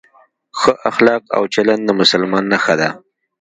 ښه اخلاق او چلند د مسلمان نښه ده.